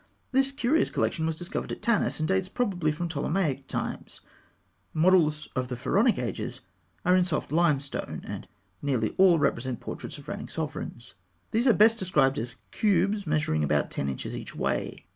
This curious collection was discovered at Tanis, and dates probably from Ptolemaic times. Models of the Pharaonic ages are in soft limestone, and nearly all represent portraits of reigning sovereigns. These are best described as cubes measuring about ten inches each way.